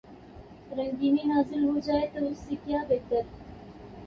رنگینی نازل ہو جائے تو اس سے کیا بہتر۔